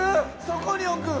そこに置く？